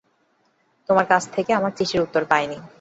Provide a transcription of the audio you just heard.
তোমার কাছ থেকে আমার চিঠির উত্তর পাইনি, শীঘ্র পাব আশা করছি।